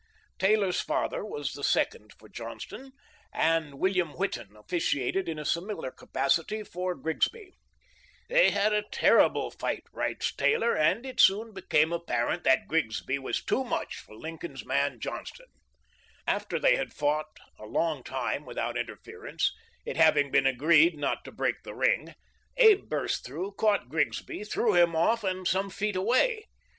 Taylor's father was the second for Johnston, and William Whitten ofSciated in a similar capacity for Grigsby. " They had a ter rible fight," relates Taylor, "and it soon became *John W. Lamar, MS. letter, June 29, 1866. THE LIFE OF LINCOLN. 47 apparent that Grigsby was too much for Lincoln's man, Johnston. After they had fought a long time without interference, it having been agreed not to break the ring, Abe burst through, caught Grigsby, threw him off and some feet away.